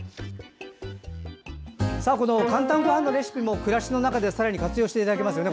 この「かんたんごはん」のレシピも暮らしの中でさらに活用していただけますよね